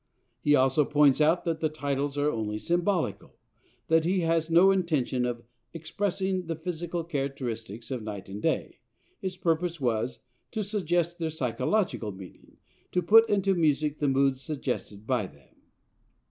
He also points out that the titles are only symbolical; that he has had no intention "of expressing the physical characteristics of night and day"; his purpose was "to suggest their psychological meaning, to put into music the moods suggested by them."